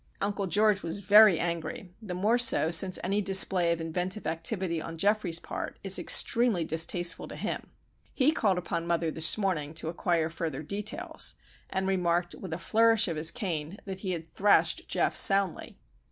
Uncle George was very angry, the more so since any display of inventive activity on Geoffrey's part is extremely distasteful to him. He called upon mother this morning to acquire further details, and remarked with a flourish of his cane that he had "thrashed Geof soundly."